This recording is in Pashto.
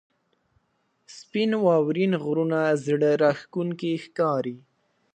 • سپین واورین غرونه زړه راښکونکي ښکاري.